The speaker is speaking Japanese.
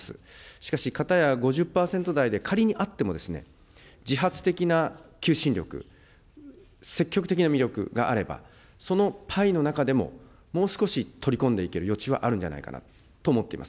しかし、片や５０％台で仮にあっても、自発的な求心力、積極的な魅力があれば、そのぱいの中でももう少し取り込んでいける余地はあるんじゃないかなと思っています。